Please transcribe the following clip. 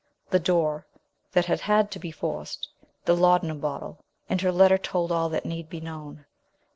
The door that had had to be forced, the lauda num bottle, and her letter told all that need be known.